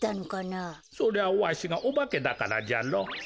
そりゃわしがオバケだからじゃろ。